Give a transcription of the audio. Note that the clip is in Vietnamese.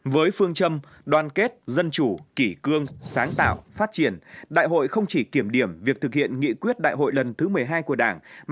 với phương châm đoàn kết dân chủ kỷ cương sáng tạo phát triển đại hội không chỉ kiểm điểm việc thực hiện nghị quyết đại hội lần thứ một mươi hai của đảng